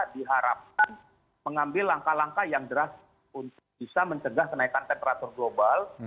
diharapkan mengambil langkah langkah yang deras untuk bisa mencegah kenaikan temperatur global